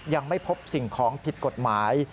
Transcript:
ยังไม่พบสิ่งของผิดกฎหมาย